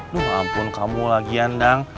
duh ampun kamu lagi andang